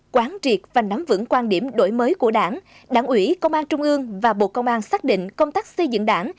quán triệt và nắm vững quan điểm đổi mới của đảng đảng ủy công an trung ương và bộ công an xác định công tác xây dựng đảng